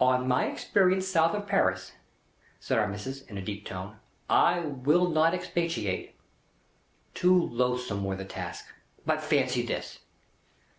"On my experience south of Paris," said Our Missis, in a deep tone, "I will not expatiate. Too loathsome were the task! But fancy this.